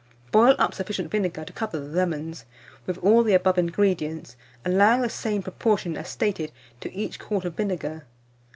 Boil up sufficient vinegar to cover the lemons, with all the above ingredients, allowing the same proportion as stated to each quart of vinegar.